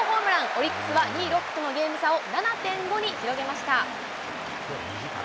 オリックスは２位ロッテとのゲーム差を、７．５に広げました。